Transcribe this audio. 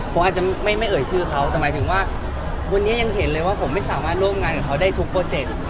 ผมอาจจะไม่เอ่ยชื่อเขาแต่หมายถึงว่าวันนี้ยังเห็นเลยว่าผมไม่สามารถร่วมงานกับเขาได้ทุกโปรเจกต์